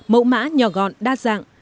mẫu mã nhỏ gọn đa dạng